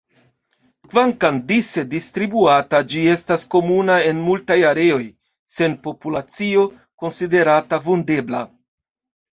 Kvankam dise distribuata, ĝi estas komuna en multaj areoj, sen populacio konsiderata vundebla.